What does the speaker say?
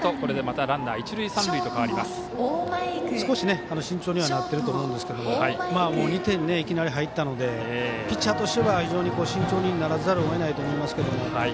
少し慎重にはなってると思うんですけど２点いきなり入ったんでピッチャーとしては非常に慎重にならざるをえないと思いますが。